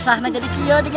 besarnya beni iconic ya